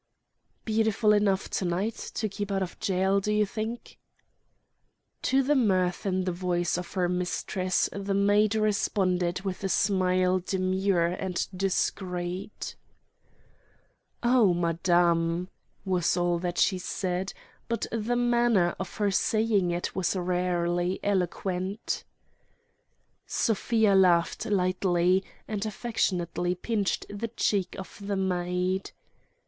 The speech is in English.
"Beautiful enough to night, to keep out of jail, do you think?" To the mirth in the voice of her mistress the maid responded with a smile demure and discreet. "Oh, madame!" was all she said; but the manner of her saying it was rarely eloquent. Sofia laughed lightly, and affectionately pinched the cheek of the maid.